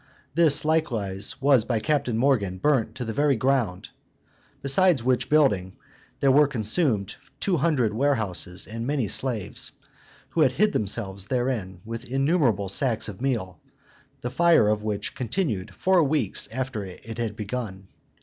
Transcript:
This likewise was by Captain Morgan burnt to the very ground. Besides which building, there were consumed two hundred warehouses, and many slaves, who had hid themselves therein, with innumerable sacks of meal; the fire of which continued four weeks after it had begun.